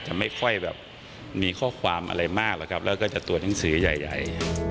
ไม่ค่อยแบบมีข้อความอะไรมากหรอกครับแล้วก็จะตรวจหนังสือใหญ่